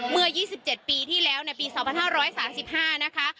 เมื่อ๒๗ปีที่แล้วในปี๒๕๓๕นะคะ